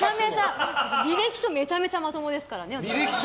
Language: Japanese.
履歴書めちゃめちゃまともですからね。